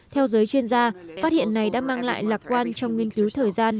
theo giới chuyên gia phát hiện này đã mang lại lạc quan trong nghiên cứu thời gian